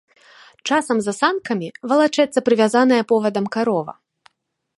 Часам за санкамі валачэцца прывязаная повадам карова.